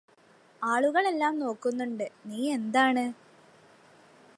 ആളുകളെല്ലാം നോക്കുന്നുന്നുണ്ട് നീയെന്താണ്